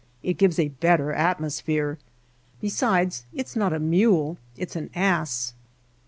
"It gives a better atmosphere. Besides it is not a mule, it's an ass."